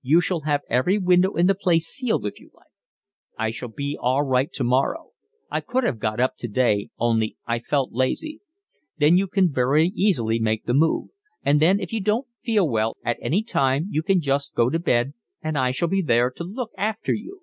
"You shall have every window in the place sealed if you like." "I shall be all right tomorrow. I could have got up today, only I felt lazy." "Then you can very easily make the move. And then if you don't feel well at any time you can just go to bed, and I shall be there to look after you."